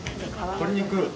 鶏肉。